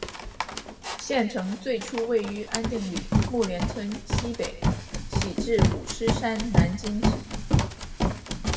县城最初位于安定里木连村溪北徙治五狮山南今址。